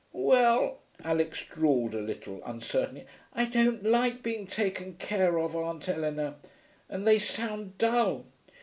'Well ' Alix drawled a little, uncertainly. 'I don't like being taken care of, Aunt Eleanor. And they sound dull.'